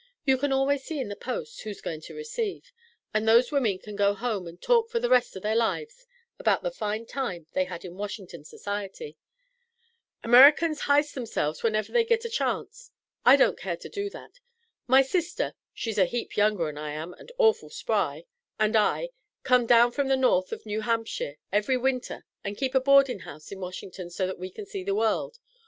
You can always see in the Post who's goin' to receive; and those women can go home and talk fur the rest of their lives about the fine time they had in Washington society. Amurricans heighst themselves whenever they git a chance. I don't care to do that. My sister she's a heap younger 'n I am and awful spry and I come down from the north of New Hampshire every winter and keep a boardin' house in Washington so that we can see the world.